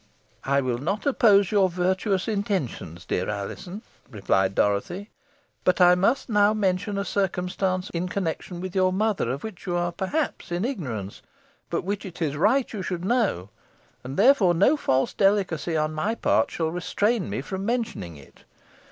"I will not oppose your virtuous intentions, dear Alizon," replied Dorothy; "but I must now mention a circumstance in connexion with your mother, of which you are perhaps in ignorance, but which it is right you should know, and therefore no false delicacy on my part shall restrain me from mentioning it.